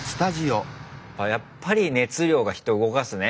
やっぱり熱量が人動かすね。